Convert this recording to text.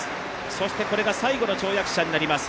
そしてこれが最後の跳躍者になります。